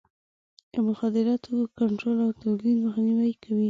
د مخدره توکو کنټرول او تولید مخنیوی کوي.